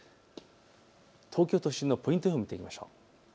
東京都心のポイント予報を見てみましょう。